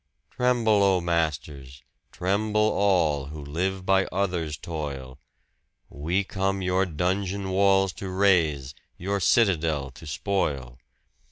Tremble, oh masters tremble all who live by others' toil We come your dungeon walls to raze, your citadel to spoil!